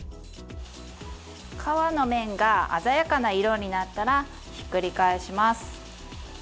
皮の面が鮮やかな色になったらひっくり返します。